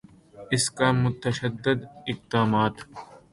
اس کا متشدد اقدامات